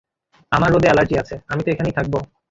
আমার রোদে এলার্জি আছে, আমি তো এখানেই থাকব।